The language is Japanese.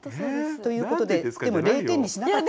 ということででも０点にしなかった。